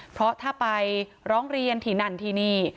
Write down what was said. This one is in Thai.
เพราะถ้าไปร้องเรียนที่นั่นที่นี่